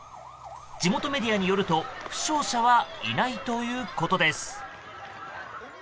地元メディアによると負傷者はいないということです。